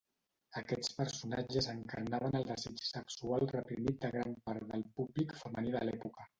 Aquests personatges encarnaven el desig sexual reprimit de gran part del públic femení de l’època.